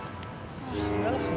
gue udah beli helm